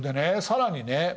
更にね